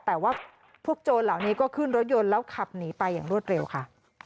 แต่ว่าพวกโจรเหล่านี้ก็ขึ้นรถยนต์แล้วขับหนีไปอย่างรวดเร็วค่ะ